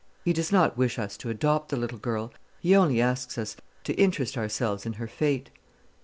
He does not wish us to adopt the little girl; he only asks us to interest ourselves in her fate."